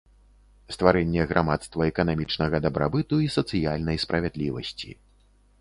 Стварэнне грамадства эканамічнага дабрабыту і сацыяльнай справядлівасці.